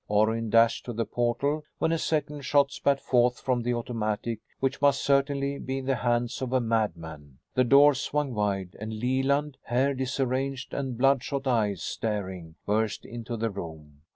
Orrin dashed to the portal when a second shot spat forth from the automatic which must certainly be in the hands of a madman. The doors swung wide and Leland, hair disarranged and bloodshot eyes staring, burst into the room.